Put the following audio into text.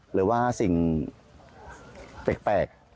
หรือว่าสิ่งแปลก